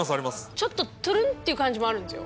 ちょっとトゥルンっていう感じもあるんですよ